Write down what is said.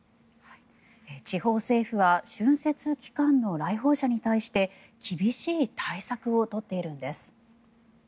地方政府は春節期間の来訪者に対して厳しい対策を取っているんです。